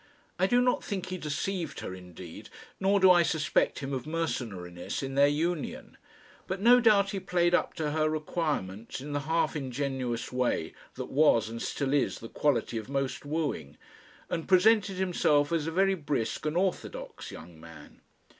I do not think he deceived her, indeed, nor do I suspect him of mercenariness in their union; but no doubt he played up to her requirements in the half ingenuous way that was and still is the quality of most wooing, and presented himself as a very brisk and orthodox young man.